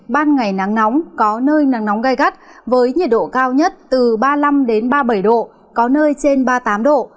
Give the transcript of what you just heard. ban ngày nắng nóng có nơi nắng nóng gai gắt với nhiệt độ cao nhất từ ba mươi năm ba mươi bảy độ có nơi trên ba mươi tám độ